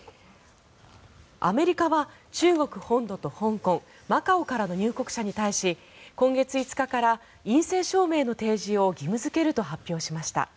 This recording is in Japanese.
アメリカは中国本土と香港、マカオからの入国者に対し今月５日から陰性証明の提示を義務付けると発表しました。